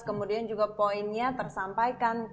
kemudian juga poinnya tersampaikan